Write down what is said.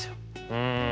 うん。